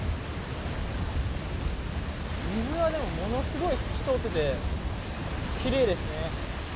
水が、ものすごい透き通っていてきれいですね。